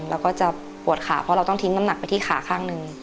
แล้วก็จะปวดขาเพราะเราต้องทิ้งน้ำหนักไปที่ขาข้างหนึ่ง